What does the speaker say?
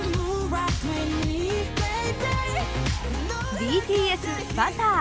ＢＴＳ「Ｂｕｔｔｅｒ」。